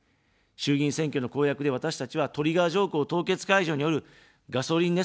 衆議院選挙の公約で、私たちはトリガー条項凍結解除によるガソリン値下げを訴えました。